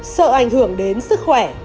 sợ ảnh hưởng đến sức khỏe